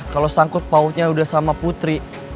kalau sangkut pautnya udah sama putri